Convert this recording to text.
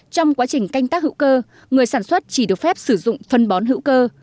trong quá trình canh tác hữu cơ người sản xuất chỉ được phép sử dụng phân bón hữu cơ